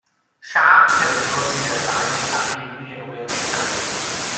Siâp hirgrwn sydd i'r dail, a'r rheiny yn wyrdd tywyll.